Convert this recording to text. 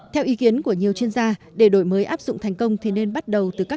theo ý kiến của nhiều chuyên gia để đội mới áp dụng thành công thì nên bắt đầu